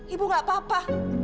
ibu gak apa apa